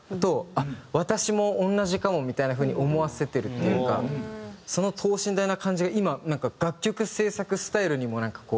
あっ私も同じかもみたいな風に思わせてるっていうかその等身大な感じが今なんか楽曲制作スタイルにもこう。